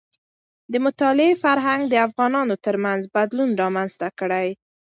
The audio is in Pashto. د مطالعې فرهنګ د افغانانو ترمنځ بدلون رامنځته کړي.